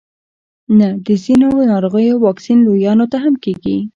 نه د ځینو ناروغیو واکسین لویانو ته هم کیږي